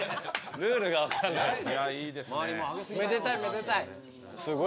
ルールが分かんない。